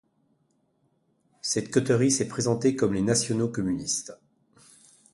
Cette coterie s’est présentée comme les nationaux-communistes.